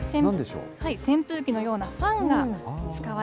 扇風機のようなファンが使わ